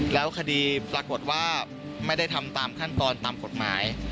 แล้วคดีปรากฏว่าไม่ได้ทำตามขั้นตอนตามกฎหมาย